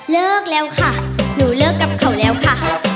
เลิกแล้วค่ะหนูเลิกกับเขาแล้วค่ะ